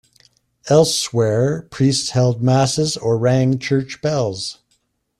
Elsewhere, priests held masses or rang church bells.